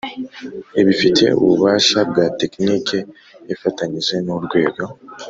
ibifitiye ububasha bwa tekiniki ifatanyije n’urwego